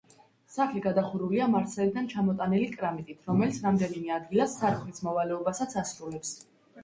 სახლი გადახურულია მარსელიდან ჩამოტანილი კრამიტით, რომელიც რამდენიმე ადგილას სარკმლის მოვალეობასაც ასრულებს.